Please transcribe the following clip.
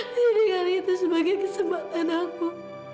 tinggal itu sebagai kesempatan aku